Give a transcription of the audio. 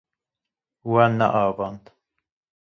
Wan neavand.